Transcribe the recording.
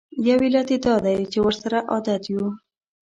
یو علت یې دا دی چې ورسره عادت یوو.